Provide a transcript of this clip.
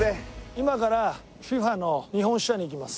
今からＦＩＦＡの日本支社に行きます。